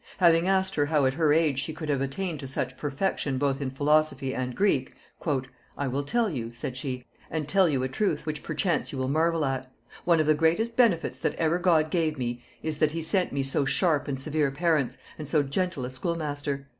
Having asked her how at her age she could have attained to such perfection both in philosophy and Greek, "I will tell you," said she, "and tell you a truth, which perchance you will marvel at. One of the greatest benefits that ever God gave me is, that he sent me so sharp and severe parents, and so gentle a schoolmaster.